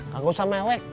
gak usah mewek